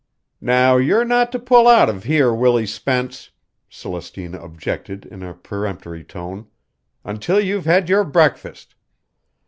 "Now you're not to pull out of here, Willie Spence," Celestina objected in a peremptory tone, "until you've had your breakfast.